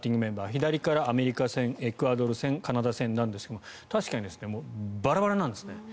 左からアメリカ戦エクアドル戦カナダ戦なんですが確かにバラバラなんですね。